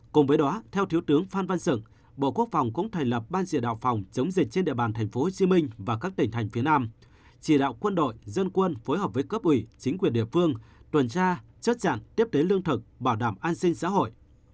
cùng với đó theo thiếu tướng phan văn sửng bộ quốc phòng cũng thành lập ban chỉ đạo phòng chống dịch trên địa bàn tp hcm và các tỉnh thành phía nam chỉ đạo quân đội dân quân phối hợp với cấp ủy chính quyền địa phương tuần tra chốt chặn tiếp tế lương thực bảo đảm an sinh xã hội